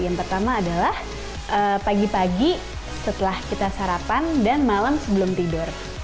yang pertama adalah pagi pagi setelah kita sarapan dan malam sebelum tidur